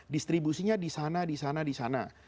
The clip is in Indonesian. distribusinya disana disana disana